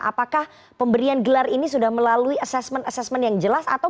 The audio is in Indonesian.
apakah pemberian gelar ini sudah melalui assessment assessment yang jelas